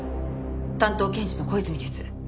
担当検事の小泉です。